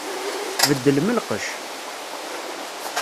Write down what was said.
Beddlem lqecc!